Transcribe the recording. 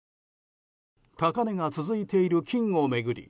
高値が続いている金を巡り